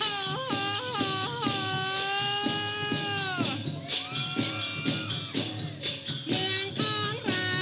เมืองของเรา